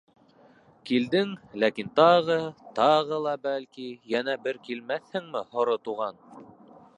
— Килдең, ләкин тағы, тағы ла, бәлки, йәнә бер килмәҫһеңме, Һоро Туған?